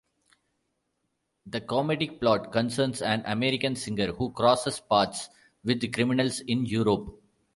The comedic plot concerns an American singer who crosses paths with criminals in Europe.